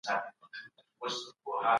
رښتینی مسلمان له چا سره تېری نه کوي.